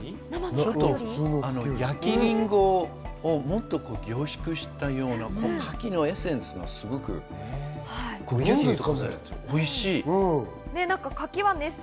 焼きりんごをもっと凝縮したような柿のエッセンスをすごく感じます。